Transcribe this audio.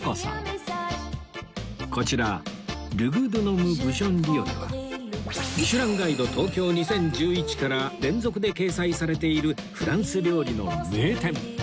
こちらルグドゥノムブションリヨネは『ミシュランガイド東京２０１１』から連続で掲載されているフランス料理の名店